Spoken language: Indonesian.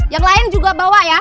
yang lain juga bawa ya